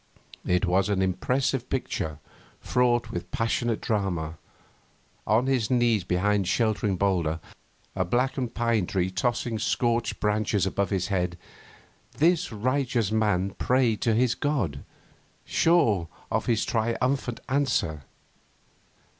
It was an impressive picture, fraught with passionate drama. On his knees behind a sheltering boulder, a blackened pine tree tossing scorched branches above his head, this righteous man prayed to his God, sure of his triumphant answer.